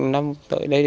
năm tới đây